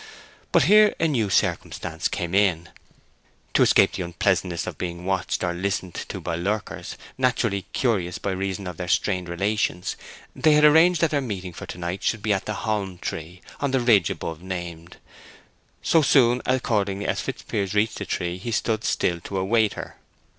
But here a new circumstance came in; to escape the unpleasantness of being watched or listened to by lurkers—naturally curious by reason of their strained relations—they had arranged that their meeting for to night should be at the holm tree on the ridge above named. So soon, accordingly, as Fitzpiers reached the tree he stood still to await her.